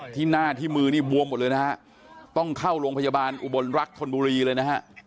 ที่หน้าที่มือนี่บวมหมดเลยนะฮะต้องเข้าโรงพยาบาลอุบลรักธนบุรีเลยนะฮะ